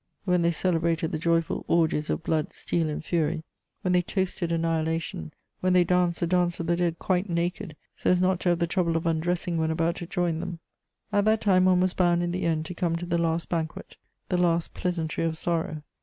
when they celebrated the joyful orgies of blood, steel and fury, when they toasted annihilation, when they danced the dance of the dead quite naked, so as not to have the trouble of undressing when about to join them; at that time one was bound in the end to come to the last banquet, the last pleasantry of sorrow.